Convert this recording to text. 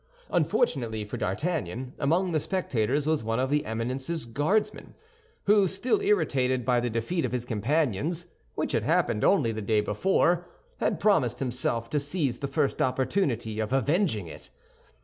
Unfortunately for D'Artagnan, among the spectators was one of his Eminence's Guardsmen, who, still irritated by the defeat of his companions, which had happened only the day before, had promised himself to seize the first opportunity of avenging it.